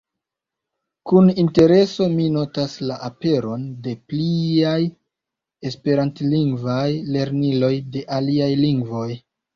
Kun intereso mi notas la aperon de pliaj esperantlingvaj lerniloj de aliaj lingvoj.